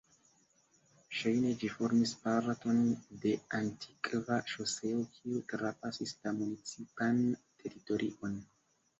Ŝajne ĝi formis parton de antikva ŝoseo kiu trapasis la municipan teritorion.